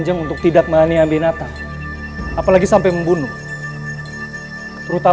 penghuni hutan larangan adalah bangsa lelembut